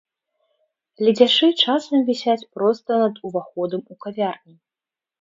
Ледзяшы часам вісяць проста над уваходам у кавярні.